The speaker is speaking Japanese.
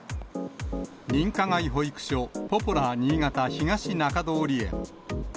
認可外保育所、ポポラー新潟東中通園。